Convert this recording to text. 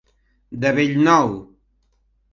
De bell nou.